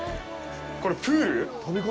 これプール？